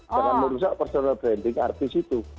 jangan merusak personal branding artis itu